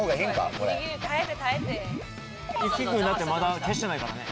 これ・いつき君だってまだ消してないからね・